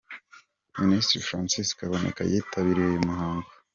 Minisitiri Francis Kaboneka yitabiriye uyu muhango.